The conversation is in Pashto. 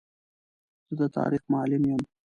زه د تاریخ معلم یم.